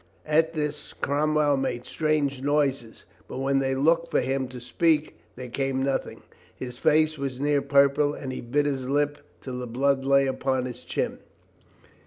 At this*Cromwell made strange noises, but when they looked for him to speak there came nothing. His face was near purple and he bit his lip till the blood lay upon his chin.